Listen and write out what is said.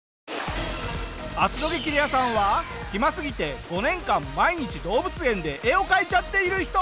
明日の『激レアさん』は暇すぎて５年間毎日動物園で絵を描いちゃっている人。